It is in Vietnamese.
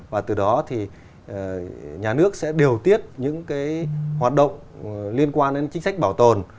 và từ đó thì nhà nước sẽ điều tiết những hoạt động liên quan đến chính sách bảo tồn